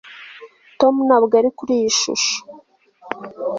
Tom ntabwo ari kuri iyi shusho